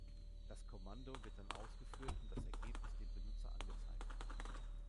Das Kommando wird dann ausgeführt und das Ergebnis dem Benutzer angezeigt.